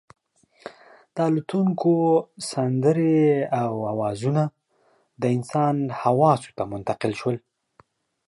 د الوتونکو سندرې او اوازونه د انسان حواسو ته منتقل شول.